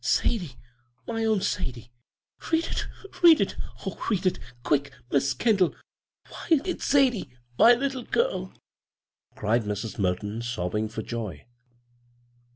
Sadie? My own Sadie? Read it — read it — oh, read it quick, Mis' Kendall I Why, it's Sadie, my little girl I " cried Mrs. Merton, sobbing for joy.